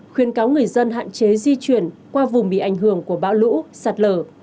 khuyên cáo người dân hạn chế di chuyển qua vùng bị ảnh hưởng của bão lũ sạt lở